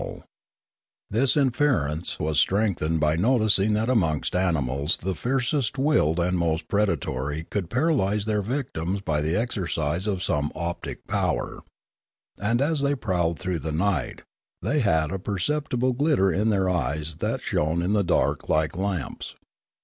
1 36 Limanora This inference was strengthened by noticing that amongst animals the fiercest willed and most predatory could paralyse their victims by the exercise of some optic power, and as they prowled through the night, they had a perceptible glitter in their eyes that shone in the dark like lamps.